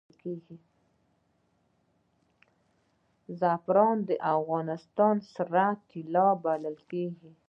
زعفران د افغانستان سره طلا بلل کیږي